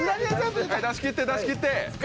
出し切って出し切って。